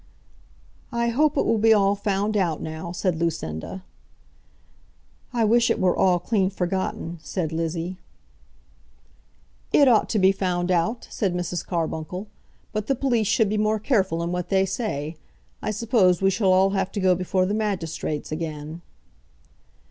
"I hope it will be all found out now," said Lucinda. "I wish it were all clean forgotten," said Lizzie. "It ought to be found out," said Mrs. Carbuncle. "But the police should be more careful in what they say. I suppose we shall all have to go before the magistrates again."